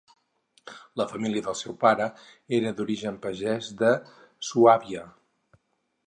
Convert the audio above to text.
La família del seu pare era d'origen pagès de Suàbia.